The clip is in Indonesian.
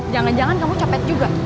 jangan jangan kamu copet juga